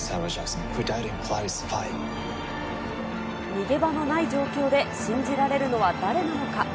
逃げ場のない状況で信じられるのは誰なのか。